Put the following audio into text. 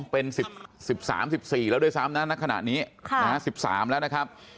เป็น๑๐๑๓๑๔แล้วด้วยซ้ำนะคะณนี้ค่ะ๑๓นะครับ